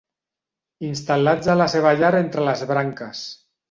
Instal·lats a la seva llar entre les branques.